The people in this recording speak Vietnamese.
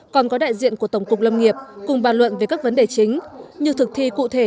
còn có đại diện của tổng cục lâm nghiệp cùng bàn luận về các vấn đề chính như thực thi cụ thể